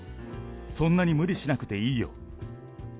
そんなに無理しなくていいよ。